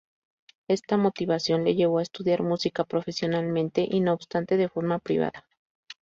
Esta motivación le llevó a estudiar música profesionalmente y no obstante, de forma privada.